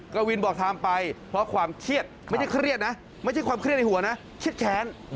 กวินบอกทำไปเพราะความเครียดไม่ได้เครียดนะไม่ใช่ความเครียดในหัวนะเครียดแค้น